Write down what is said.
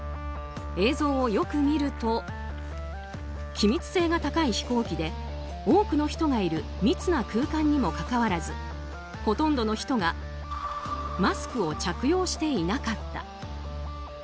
映像をよく見ると気密性が高い飛行機で多くの人がいる密な空間にもかかわらずほとんどの人がマスクを着用していなかった。